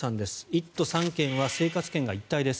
１都３県は生活圏が一体です。